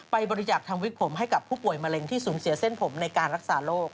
บริจาคทางวิกผมให้กับผู้ป่วยมะเร็งที่สูญเสียเส้นผมในการรักษาโรค